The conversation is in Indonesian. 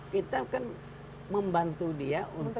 kita kan membantu dia untuk